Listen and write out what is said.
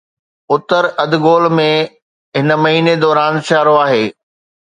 اتر اڌ گول ۾، هن مهيني دوران سيارو آهي